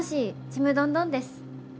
ちむどんどんです。